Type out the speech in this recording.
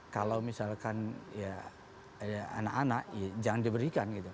kalau misalkan ya anak anak ya jangan diberikan gitu